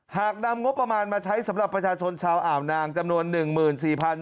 หากนำงบประมาณมาใช้สำหรับประชาชนชาวอ่าวนางจำนวน๑๔๐๐บาท